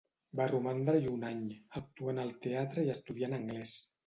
Va romandre-hi un any, actuant al teatre i estudiant anglès.